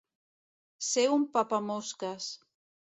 Ser un papamosques.